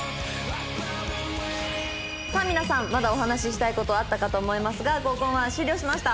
さあ皆さんまだお話ししたい事あったかと思いますが合コンは終了しました。